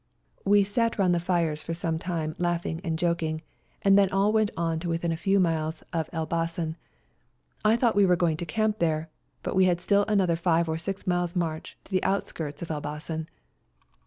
We sat round the fires for some time laughing and joking and then all went on to within a few miles of FIGHTING ON MOUNT CHUKUS 147 Elbasan. I thought we were going to camp there, but we still had another five or six miles' march to the outskirts of Elbasan.